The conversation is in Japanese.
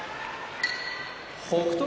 北勝